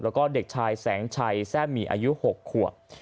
แล้วก็เด็กชายแสงชัยแทร่มีอายุ๖ขวบ